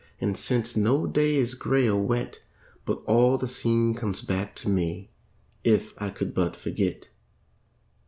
And since, no day is gray or wet But all the scene comes back to me, If I could but forget.